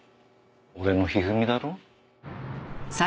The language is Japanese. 俺の一二三だろ？